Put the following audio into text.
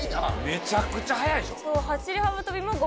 めちゃくちゃ速いでしょ。